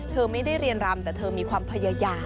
เธอไม่ได้เรียนรำแต่เธอมีความพยายาม